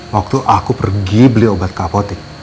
waktu aku pergi beli obat kapotik